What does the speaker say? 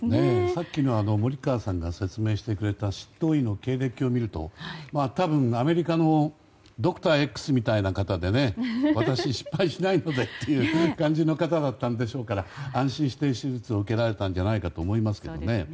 さっきの森川さんが説明してくれた執刀医の経歴を見ると多分、アメリカのドクターＸみたいな方で私、失敗しないのでという感じの方だったんでしょうから安心して手術を受けられたんじゃないかと思いますけど。